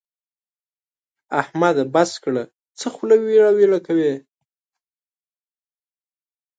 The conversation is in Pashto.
احمده! بس کړه؛ څه خوله ويړه ويړه کوې.